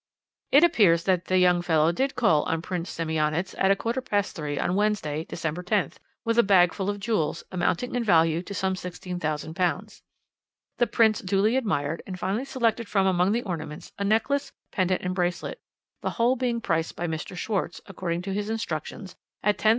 "It appears that the young fellow did call on Prince Semionicz at a quarter past three on Wednesday, December 10th, with a bag full of jewels, amounting in value to some £16,000. The Prince duly admired, and finally selected from among the ornaments a necklace, pendant, and bracelet, the whole being priced by Mr. Schwarz, according to his instructions, at £10,500.